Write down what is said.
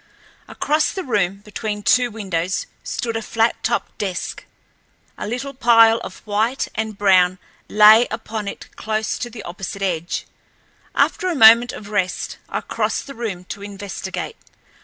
Across the room, between two windows, stood a flat topped desk. A little pile of white and brown lay upon it close to the opposite edge. After a moment of rest I crossed the room to investigate.